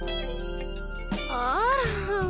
あら。